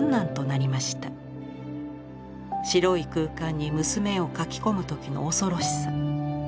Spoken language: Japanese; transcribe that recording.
白い空間に娘を描きこむ時の恐ろしさ。